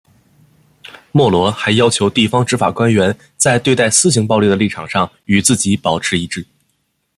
莫罗还要求地方执法官员在对待私刑暴力的立场上与自己保持一致。